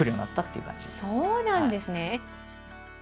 そうなんですね。